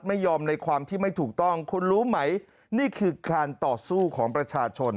ไม่ยอมในความที่ไม่ถูกต้องคุณรู้ไหมนี่คือการต่อสู้ของประชาชน